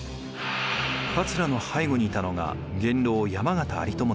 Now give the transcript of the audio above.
桂の背後にいたのが元老山県有朋です。